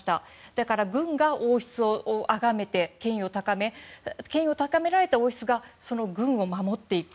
だから軍が王室をあがめて権威を高め権威を高められた王室がその軍を守っていく。